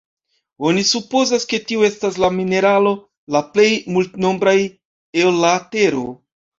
Oni supozas, ke tiu estas la mineralo la plej multnombraj el la tero.